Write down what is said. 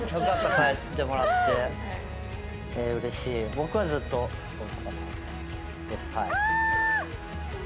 僕はずっとはい。